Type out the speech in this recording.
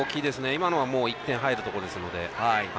今のは１点入るところですので。